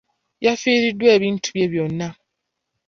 Yafiiriddwa ebintu bye byonna.